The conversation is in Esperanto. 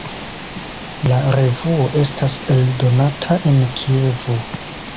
La revuo estas eldonata en Kievo.